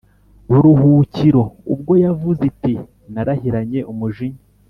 buruhukiro ubwo yavuze iti Narahiranye umujinya